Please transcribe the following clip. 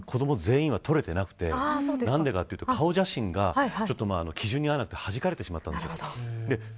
実は子ども全員は取れてなくてなんでかというと顔写真が基準に合わなくてはじかれてしまったんです。